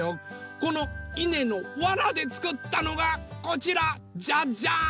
このいねのわらでつくったのがこちら！じゃじゃん！